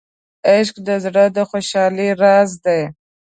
عشق د زړه د خوشحالۍ راز دی.